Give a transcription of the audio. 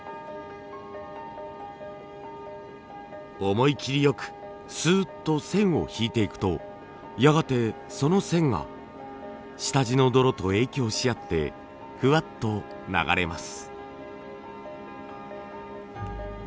思い切りよくスーッと線を引いていくとやがてその線が下地の泥と影響しあってふわっと流れます。